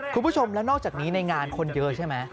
คุณผู้ชมแล้วนอกจากนี้ในงานคนเยอะใช่ไหม